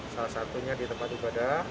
salah satunya di tempat ibadah